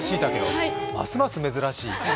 ますます珍しい。